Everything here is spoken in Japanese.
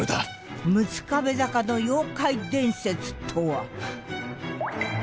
六壁坂の妖怪伝説とは？